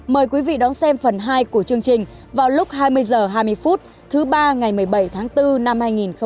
mời quý vị đón xem phần hai của chương trình vào lúc hai mươi h hai mươi phút thứ ba ngày một mươi bảy tháng bốn năm hai nghìn hai mươi